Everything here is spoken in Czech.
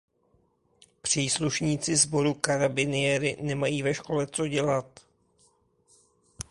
Příslušníci sboru Carabinieri nemají ve škole co dělat.